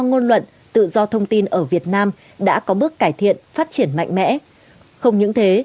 ngôn luận tự do thông tin ở việt nam đã có bước cải thiện phát triển mạnh mẽ không những thế